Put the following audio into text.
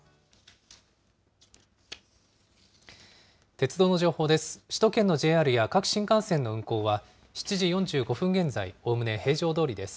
鉄道の情報です。